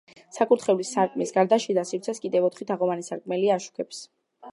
საკურთხევლის სარკმლის გარდა, შიდა სივრცეს კიდე ოთხი თაღოვანი სარკმელი აშუქებს.